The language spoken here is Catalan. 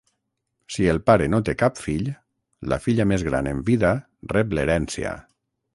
Si el pare no té cap fill, la filla més gran en vida rep l'herència.